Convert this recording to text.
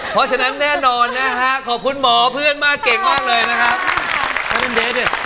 เพราะฉะนั้นแน่นอนนะฮะขอบคุณหมอเพื่อนมากเก่งมากเลยนะครับ